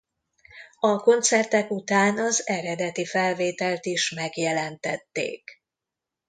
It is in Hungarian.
A koncertek után az eredeti felvételt is megjelentették.